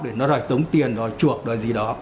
để nó rồi tống tiền rồi chuộc rồi gì đó